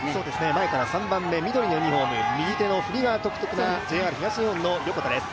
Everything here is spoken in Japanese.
前から３番目、緑のユニフォームの右手の振りが独特なＪＲ東日本の横田です。